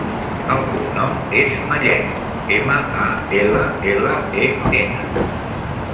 El cognom és Mallen: ema, a, ela, ela, e, ena.